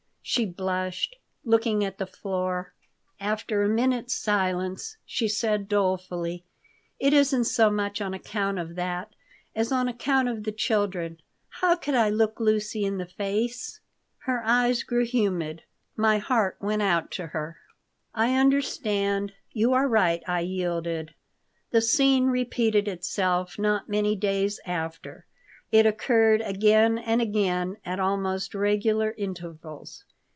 She blushed, looking at the floor. After a minute's silence she said, dolefully: "It isn't so much on account of that as on account of the children. How could I look Lucy in the face?" Her eyes grew humid. My heart went out to her. "I understand. You are right," I yielded The scene repeated itself not many days after. It occurred again and again at almost regular intervals.